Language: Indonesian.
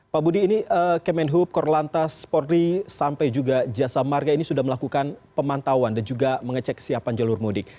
pak budi ini kemenhub korlantas polri sampai juga jasa marga ini sudah melakukan pemantauan dan juga mengecek kesiapan jalur mudik